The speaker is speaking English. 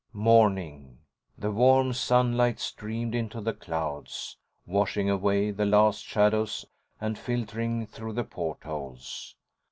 ———— Morning. The warm sunlight streamed into the clouds, washing away the last shadows and filtering through the portholes.